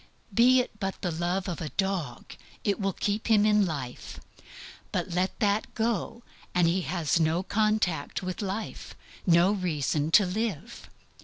Be it but the love of a dog, it will keep him in life; but let that go, he has no contact with life, no reason to live.